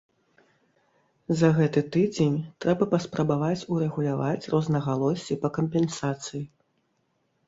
За гэты тыдзень трэба паспрабаваць урэгуляваць рознагалоссі па кампенсацыі.